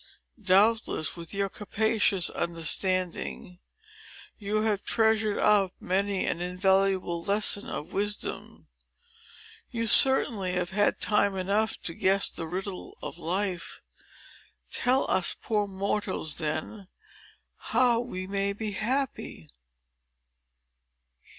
Doubtless, with your capacious understanding, you have treasured up many an invaluable lesson of wisdom. You certainly have had time enough to guess the riddle of life. Tell us poor mortals, then, how we may be happy!"